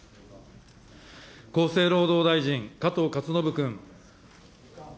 厚生労働大臣、加藤勝信君。